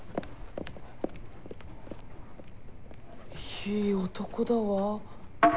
いい男だわ。